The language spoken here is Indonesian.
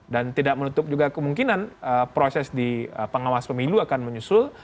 dan tidak menutup juga kemungkinan proses di pengawas pemilu akan menyusul